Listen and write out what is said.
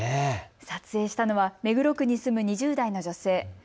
撮影したのは目黒区に住む２０代の女性。